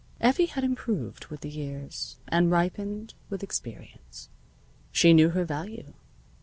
Effie had improved with the years, and ripened with experience. She knew her value.